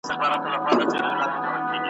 لا یې ستوني ته نغمه نه وه راغلې !.